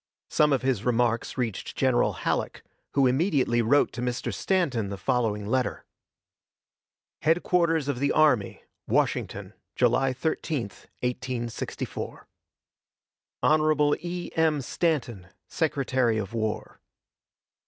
Some of his remarks reached General Halleck, who immediately wrote to Mr. Stanton the following letter: HEADQUARTERS OF THE ARMY, WASHINGTON, July 13, 1864. Hon. E. M. STANTON, Secretary of War.